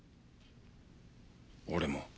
俺も。